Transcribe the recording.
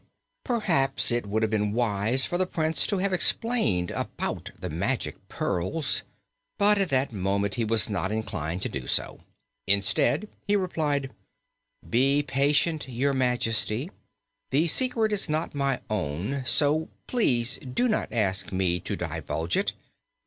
Perhaps it would have been wise for the Prince to have explained about the magic pearls, but at that moment he was not inclined to do so. Instead, he replied: "Be patient, Your Majesty. The secret is not my own, so please do not ask me to divulge it.